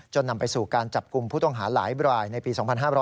นำไปสู่การจับกลุ่มผู้ต้องหาหลายรายในปี๒๕๕๙